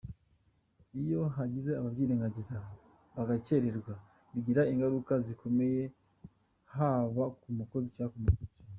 Iyo hagize ababyirengagiza bagakererwa, bigira ingaruka zikomeye haba ku mukozi cyangwa ku mukoresha we.